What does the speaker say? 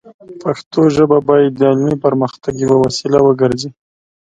پښتو ژبه باید د علمي پرمختګ یوه وسیله وګرځي.